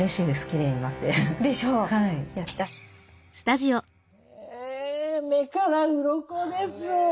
やった！え目からうろこです。